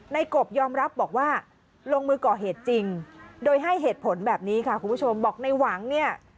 กบยอมรับบอกว่าลงมือก่อเหตุจริงโดยให้เหตุผลแบบนี้ค่ะคุณผู้ชมบอกในหวังเนี่ย